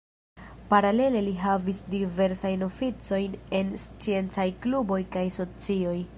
Paralele li havis diversajn oficojn en sciencaj kluboj kaj socioj.